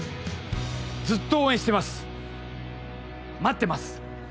ずっと応援してます待ってます！